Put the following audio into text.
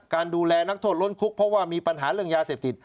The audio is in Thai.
ดูแลนักโทษล้นคุกเพราะว่ามีปัญหาเรื่องยาเสพติด